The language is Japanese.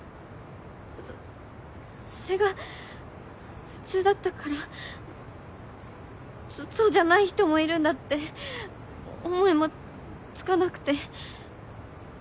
そそれが普通だったからそうじゃない人もいるんだって思いもつかなくて。